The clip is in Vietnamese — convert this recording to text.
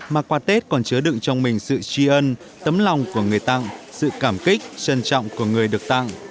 mà quà tết còn chứa đựng trong mình sự tri ân tấm lòng của người tặng sự cảm kích trân trọng của người được tặng